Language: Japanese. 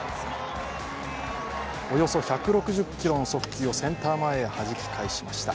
およそ１６０キロの速球をセンター前にはじき返しました。